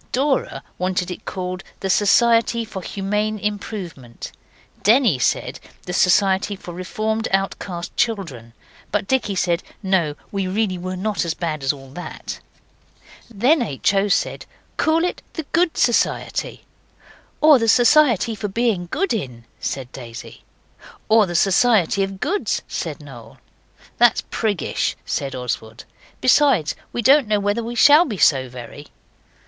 Dora wanted it called the Society for Humane Improvement; Denny said the Society for Reformed Outcast Children; but Dicky said, No, we really were not so bad as all that. Then H. O. said, 'Call it the Good Society.' 'Or the Society for Being Good In,' said Daisy. 'Or the Society of Goods,' said Noel. 'That's priggish,' said Oswald; 'besides, we don't know whether we shall be so very.